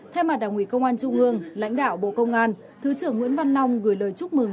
thay mặt đảng ủy công an trung ương lãnh đạo bộ công an thứ trưởng nguyễn văn long gửi lời chúc mừng